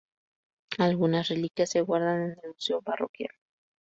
Algunas reliquias se guardan en el Museo Parroquial.